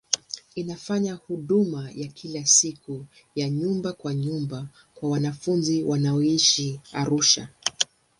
Inafanya huduma ya kila siku ya nyumba kwa nyumba kwa wanafunzi wanaoishi Arusha.